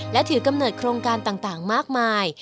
และถือกำเนิดโครงการต่างมากมาย